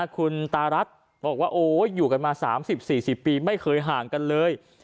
คุณตารัฐบอกว่าโอ้อยู่กันมา๓๐๔๐ปีไม่เคยห่างกันเลย